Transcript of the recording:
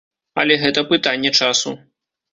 Але гэта пытанне часу.